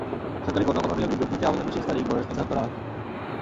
সরকারি কোনো কোনো নিয়োগ বিজ্ঞপ্তিতে আবেদনের শেষ তারিখে বয়স নির্ধারণ করা হয়।